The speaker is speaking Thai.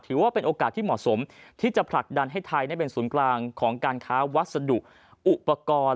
ถือว่าเป็นโอกาสที่เหมาะสมที่จะผลักดันให้ไทยเป็นศูนย์กลางของการค้าวัสดุอุปกรณ์